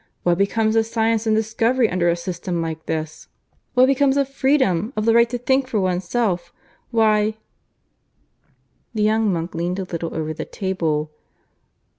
What becomes of science and discovery under a system like this? What becomes of freedom of the right to think for oneself? Why " The young monk leaned a little over the table.